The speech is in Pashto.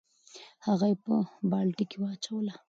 هغه یې په بالټي کې واچوله.